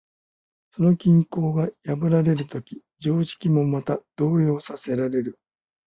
その均衡が破られるとき、常識もまた動揺させられる。